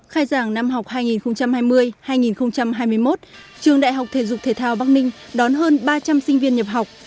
khai giảng năm học hai nghìn hai mươi hai nghìn hai mươi một trường đại học thể dục thể thao bắc ninh đón hơn ba trăm linh sinh viên nhập học